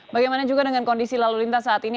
bagaimana juga dengan kondisi lalu lintas saat ini